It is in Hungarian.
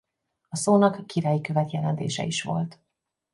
A szónak királyi követ jelentése is volt.